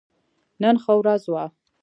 نن ښه ورځ وه